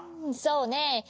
そうねえ。